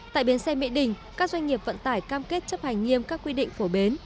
tại bến xe mỹ đình các doanh nghiệp vận tải cam kết chấp hành nghiêm các quy định phổ biến